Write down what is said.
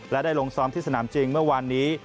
และได้ลงซ้อมที่สนามจริงเมื่อวานนี้